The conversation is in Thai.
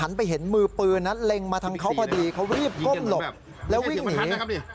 ไปเห็นมือปืนนั้นเล็งมาทางเขาพอดีเขารีบก้มหลบแล้ววิ่งหนี